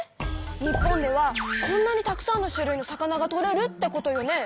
日本ではこんなにたくさんの種類の魚がとれるってことよね。